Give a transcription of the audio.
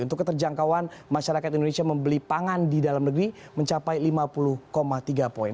untuk keterjangkauan masyarakat indonesia membeli pangan di dalam negeri mencapai lima puluh tiga poin